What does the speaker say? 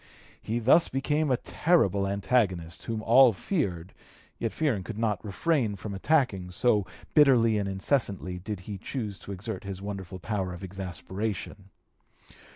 He thus became a terrible antagonist, whom all feared, yet fearing could not refrain from attacking, so bitterly and incessantly did he choose to exert his wonderful power of exasperation.